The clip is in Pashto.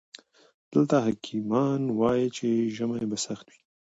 دلته حکيمان وايي چې ژمی به سخت وي.